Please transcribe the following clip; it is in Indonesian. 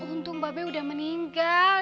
untung babe udah meninggal